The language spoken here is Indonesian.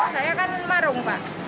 saya kan marung pak